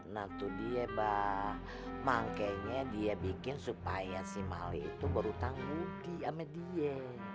nah tuh dia bah makanya dia bikin supaya si mali itu berhutang buki sama dia